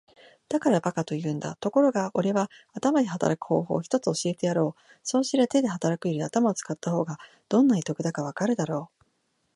「だから馬鹿と言うんだ。ところがおれは頭で働く方法を一つ教えてやろう。そうすりゃ手で働くより頭を使った方がどんなに得だかわかるだろう。」